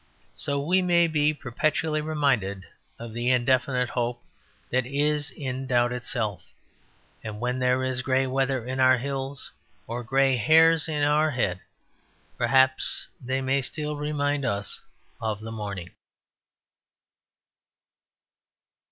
So we may be perpetually reminded of the indefinite hope that is in doubt itself; and when there is grey weather in our hills or grey hairs in our heads, perhaps they may still remind us of the morning.